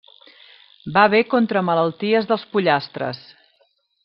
Va bé contra malalties dels pollastres.